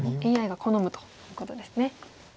ＡＩが好むということですね。